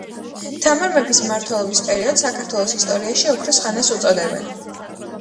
თამარ მეფის მმართველობის პერიოდს საქართველოს ისტორიაში ოქროს ხანას უწოდებენ.